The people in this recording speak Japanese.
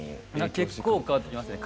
結構変わってきますね。